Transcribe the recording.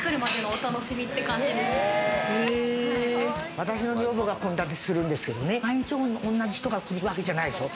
私の女房が献立するんですけどね、毎日、同じ人が来るわけじゃないでしょ。